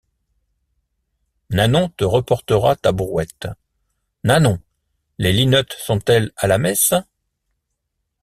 Nanon te reportera ta brouette. — Nanon, les linottes sont-elles à la messe?